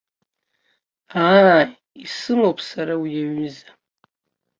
Ааи, исымоуп сара уи аҩыза.